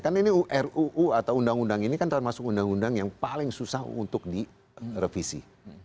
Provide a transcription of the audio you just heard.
kan ini ruu atau undang undang ini kan termasuk undang undang yang paling susah untuk direvisi